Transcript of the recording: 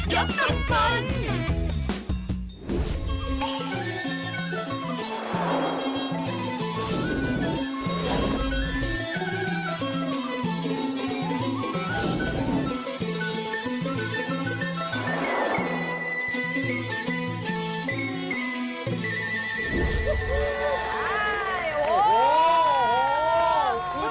เฮยกตำบล